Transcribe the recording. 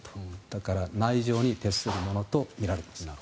だから、内助に徹するものとみられます。